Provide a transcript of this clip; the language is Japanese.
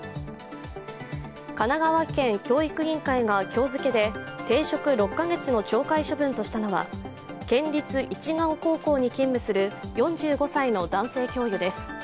神奈川県教育委員会が今日付で停職６か月の懲戒処分としたのは県立市ヶ尾高校に勤務する４５歳の男性教諭です。